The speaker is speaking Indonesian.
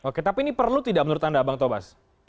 oke tapi ini perlu tidak menurut anda bang tobas